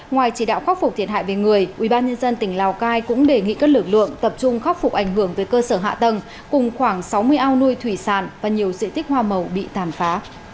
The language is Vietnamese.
ngoài chỉ đạo khắc phục thiệt hại về người ubnd tỉnh lào cai cũng đề nghị các lực lượng tập trung khắc phục ảnh hưởng tới cơ sở hạ tầng cùng khoảng sáu mươi ao nuôi thủy sản và nhiều diện tích hoa màu bị tàn phá